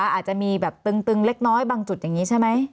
อาจจะมีแบบตึงเล็กน้อยบางจุดอย่างนี้ใช่ไหม